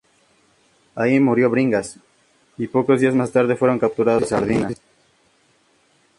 Allí murió Bringas, y pocos días más tarde fueron capturados Santos y Sardina.